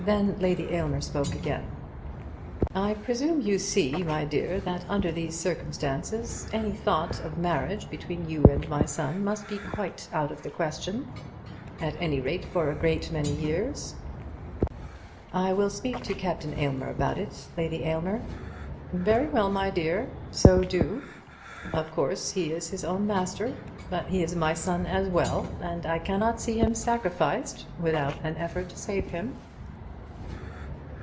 Then Lady Aylmer spoke again. "I presume you see, my dear, that under these circumstances any thought of marriage between you and my son must be quite out of the question, at any rate for a great many years." "I will speak to Captain Aylmer about it, Lady Aylmer." "Very well, my dear. So do. Of course he is his own master. But he is my son as well, and I cannot see him sacrificed without an effort to save him."